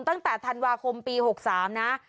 ตั้งแต่ธันวาคมปี๖๓นะ